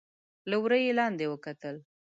له وره يې لاندې وکتل.